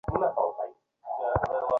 সে বলল, আমার পুত্র!